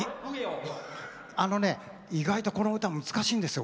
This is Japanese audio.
あのね意外とこの歌難しいんですよ